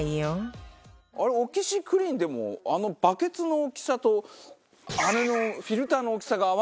あれオキシクリーンでもあのバケツの大きさとあれのフィルターの大きさが合わないから。